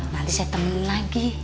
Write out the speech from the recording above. nanti saya temenin lagi